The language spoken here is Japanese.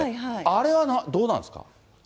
あれはどうなんですか？